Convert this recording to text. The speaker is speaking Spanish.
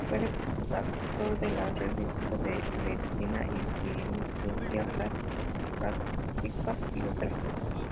Fue redactor de la "Revista de Medicina y Cirugía Prácticas" y otras.